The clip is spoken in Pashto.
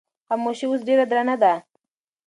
خاموشي اوس ډېره درنه ده.